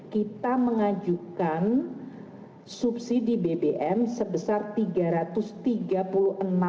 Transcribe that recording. kita mengajukan subsidi bbm sebesar rp tiga ratus tiga puluh enam triliun